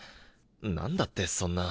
何だってそんな。